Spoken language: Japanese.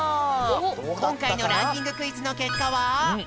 こんかいのランキングクイズのけっかは。